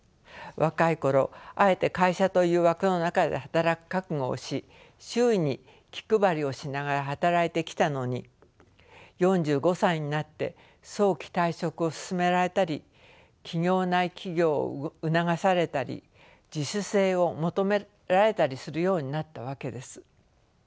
若い頃あえて会社という枠の中で働く覚悟をし周囲に気配りをしながら働いてきたのに４５歳になって早期退職を勧められたり企業内起業を促されたり自主性を求められたりするようになったわけです。